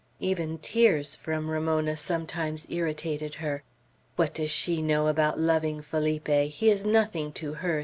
Even tears from Ramona sometimes irritated her. "What does she know about loving Felipe! He is nothing to her!"